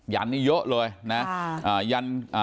ันนี่เยอะเลยนะ